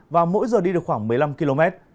và mỗi giờ đi được khoảng một mươi năm km